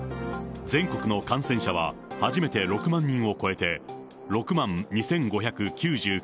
全国の感染者は初めて６万人を超えて、６万２５９９人。